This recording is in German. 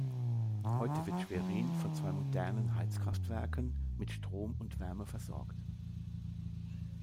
Heute wird Schwerin von zwei modernen Heizkraftwerken mit Strom und Wärme versorgt.